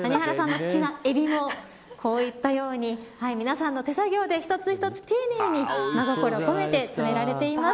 好きなエビもこういったように皆さんの手作業で一つ一つ丁寧に真心込めて詰められています。